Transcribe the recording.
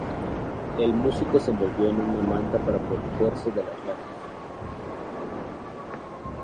El músico se envolvió en una manta para protegerse de las llamas.